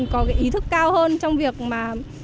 có ý thức cao hơn trong việc mà